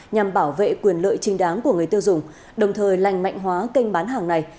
nhằm bảo vệ quyền lợi trinh đáng của người tiêu dùng đồng thời lành mạnh hóa kênh bán hàng này